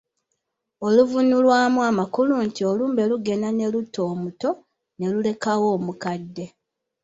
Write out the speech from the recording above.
Oluvvuunulwamu amakulu nti olumbe lugenda ne lutta omuto, ne lulekawo omukadde.